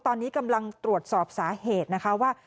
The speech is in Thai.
ตอนนี้กำลังตรวจสอบสาเหตุนะคะว่า